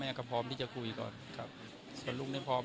แม่อยากถามวัลลุมพลผ่านท่านศิละไหม